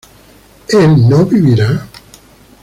¿él no vivirá?